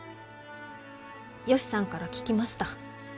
ヨシさんから聞きました。